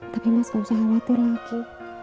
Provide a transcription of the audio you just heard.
tapi mas gak usah khawatir lagi